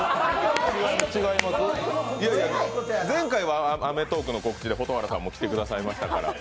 前回は「アメトーーク」の告知で蛍原さんも来てくださいましたから。